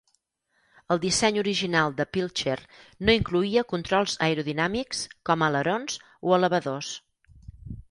El disseny original de Pilcher no incloïa controls aerodinàmics com alerons o elevadors.